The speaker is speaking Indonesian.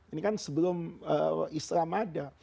ini kan sebelum islam ada